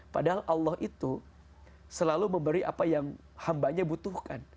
karena allah itu selalu memberi apa yang hambanya butuhkan